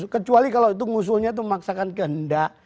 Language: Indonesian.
kecuali kalau itu ngusulnya itu memaksakan kehendak